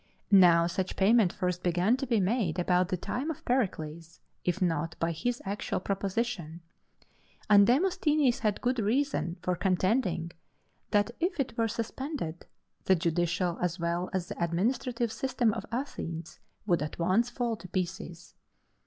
Now such payment first began to be made about the time of Pericles, if not by his actual proposition; and Demosthenes had good reason for contending that if it were suspended, the judicial as well as the administrative system of Athens would at once fall to pieces.